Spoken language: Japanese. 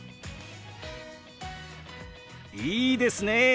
いいですね！